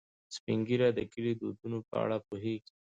سپین ږیری د کلي د دودونو په اړه پوهیږي